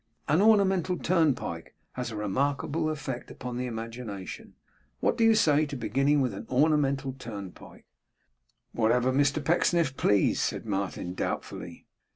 An ornamental turnpike has a remarkable effect upon the imagination. What do you say to beginning with an ornamental turnpike?' 'Whatever Mr Pecksniff pleased,' said Martin, doubtfully.